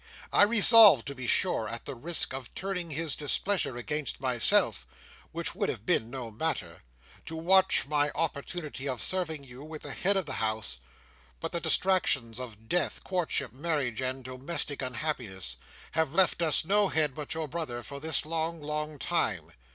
I resolved, to be sure, at the risk of turning his displeasure against myself—which would have been no matter—to watch my opportunity of serving you with the head of the House; but the distractions of death, courtship, marriage, and domestic unhappiness, have left us no head but your brother for this long, long time.